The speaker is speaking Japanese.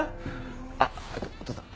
あっお義父さん